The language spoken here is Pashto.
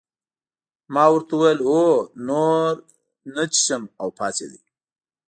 ما ورته وویل هو نور نه څښم او پاڅېد.